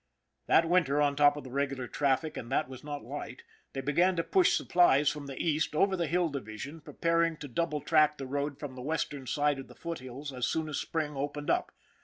That winter, on top of the regular traffic, and that was not light, they began to push supplies from the East over the Hill Division, preparing to double track the road from the western side of the foothills as soon as spring opened up.